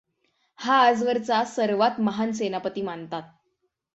हा आजवरचा सर्वांत महान सेनापती मानतात.